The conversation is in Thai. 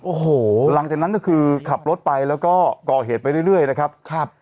โอ้โหหลังจากนั้นก็คือขับรถไปแล้วก็ก่อเหตุไปเรื่อยนะครับครับ